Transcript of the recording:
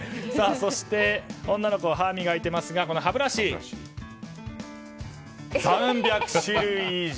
そして、女の子は歯を磨いていますが歯ブラシ、３００種類以上。